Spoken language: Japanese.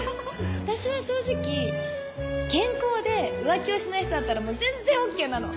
私は正直健康で浮気をしない人だったら全然ＯＫなの。